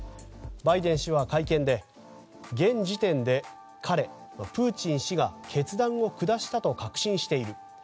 バイデン氏は会見で現時点で彼、プーチン氏が決断を下したと確信している。